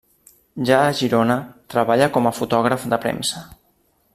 Ja a Girona, treballa com a fotògraf de premsa.